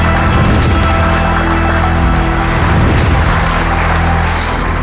น้องไนท์